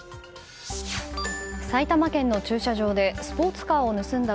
埼玉県の駐車場でスポーツカーを盗んだ